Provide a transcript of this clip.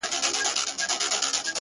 په دې وطن کي هيڅ د گلو کر نه دی په کار-